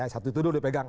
satu satu dulu dipegang